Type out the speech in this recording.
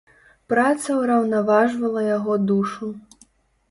Праца ўраўнаважвала яго душу.